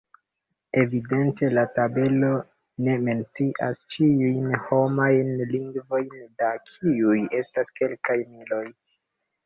Evidente la tabelo ne mencias ĉiujn homajn lingvojn, da kiuj estas kelkaj miloj.